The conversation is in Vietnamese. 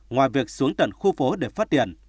ngoài việc xuống tận khu phố để phát tiền